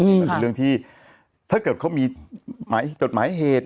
มันเป็นเรื่องที่ถ้าเกิดเขามีหมายจดหมายเหตุ